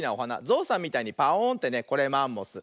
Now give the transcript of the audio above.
ゾウさんみたいにパオーンってねこれマンモス。